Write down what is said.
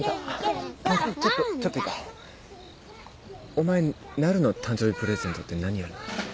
お前なるの誕生日プレゼントって何やるの？